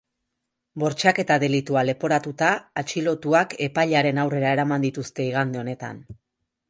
Bortxaketa delitua leporatuta, atxilotuak epailearen aurrera eraman dituzte igande honetan.